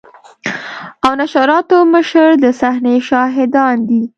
او نشراتو مشر د صحنې شاهدان دي.